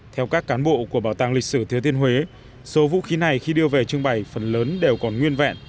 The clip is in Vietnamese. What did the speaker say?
theo các cán bộ của bảo tàng lịch sử thừa thiên huế số vũ khí này khi đưa về trưng bày phần lớn đều còn nguyên vẹn